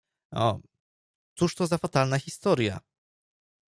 — O, cóż to za fatalna historia!